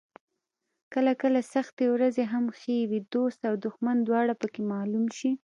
کله کله سختې ورځې هم ښې وي، دوست او دښمن دواړه پکې معلوم شي.